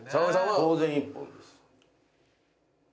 当然１本です。